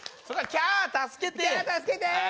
キャー助けてー！